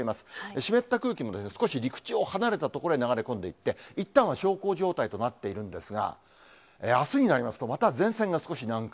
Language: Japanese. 湿った空気も少し陸地を離れた所に流れ込んでいって、いったんは小康状態となっているんですが、あすになりますと、また前線が少し南下。